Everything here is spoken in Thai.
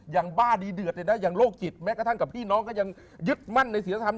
บ้าดีเดือดเลยนะอย่างโรคจิตแม้กระทั่งกับพี่น้องก็ยังยึดมั่นในศิลธรรม